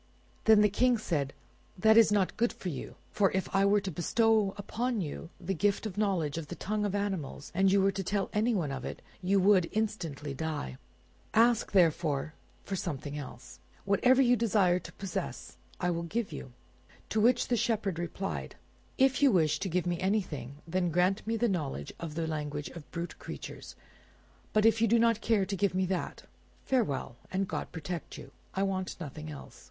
Then the King said, "That is not good for you; for if I were to bestow upon you the gift of the knowledge of the tongue of animals, and you were to tell anyone of it, you would instantly die. Ask, therefore, for something else; whatever you desire to possess, I will give to you." To which the Shepherd replied— "If you wish to give me anything, then grant me the knowledge of the language of brute creatures; but if you do not care to give me that—farewell, and God protect you! I want nothing else."